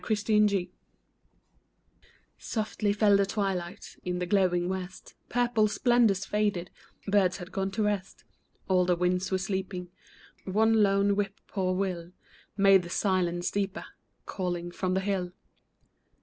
A CHILD'S THOUGHT Softly fell the twilight ; In the glowing west Purple splendors faded ; Birds had gone to rest ; All the winds were sleeping ; One lone whip poor will Made the silence deeper, Calling from the hill.